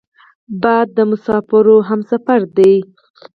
باد د مسافرو همسفر دی